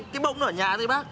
cái bỗng ở nhà thế bác